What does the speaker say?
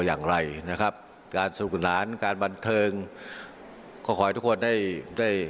อย่างไรนะครับการสนุกสนานการบันเทิงก็ขอให้ทุกคนได้ได้